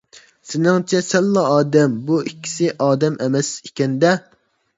سېنىڭچە سەنلا ئادەم، بۇ ئىككىسى ئادەم ئەمەس ئىكەن - دە!